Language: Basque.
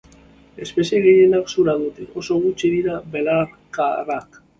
Espezie gehienek zura dute; oso gutxi dira belarkarak.